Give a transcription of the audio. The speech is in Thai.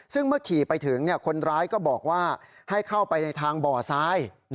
ซึ่งเมื่อขี่ไปถึงคนร้ายก็บอกว่าให้เข้าไปในทางบ่อซ้าย